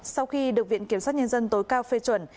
sau khi được viện kiểm sát nhân dân tối cao phê chuẩn